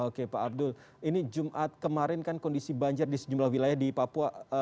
oke pak abdul ini jumat kemarin kan kondisi banjir di sejumlah wilayah di papua